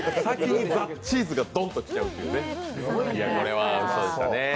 先にチーズがドンと来ちゃうというね。